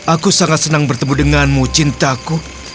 aku sangat senang bertemu denganmu cintaku